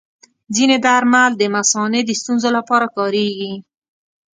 ځینې درمل د مثانې د ستونزو لپاره کارېږي.